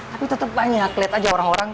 tapi tetap banyak lihat aja orang orang